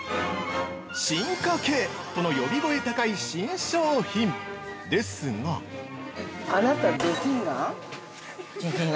進化系！との呼び声高い新商品ですが◆あなたド近眼？